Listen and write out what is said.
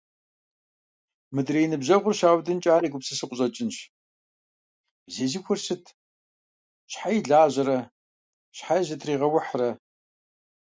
Мыдрей и ныбжьэгъур щаудынкӏэ, ар егупсысу къыщӏэкӏынщ: «Зезыхуэр сыт… Щхьэи лажьэрэ, щхьэи зытригъэухьрэ!».